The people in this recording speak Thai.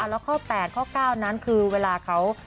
แล้วข้อ๘ข้อ๙นั้นคือเวลาเขา